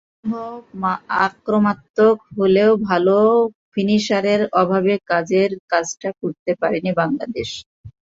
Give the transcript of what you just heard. অসম্ভব আক্রমণাত্মক হয়েও ভালো ফিনিশারের অভাবে কাজের কাজটা করতে পারেনি বাংলাদেশ।